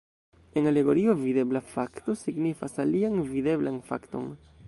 En alegorio, videbla fakto signifas alian videblan fakton.